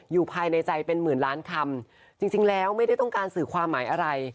อยู่ภายในใจเป็นหมื่นล้านคำจริงแล้วไม่ได้ต้องการสื่อความหมายอะไร